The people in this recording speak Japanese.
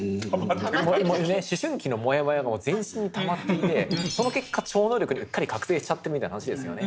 思春期のモヤモヤがもう全身にたまっててその結果超能力にうっかり覚醒しちゃってみたいな話ですよね。